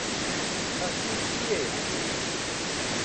خەسووت کێیە؟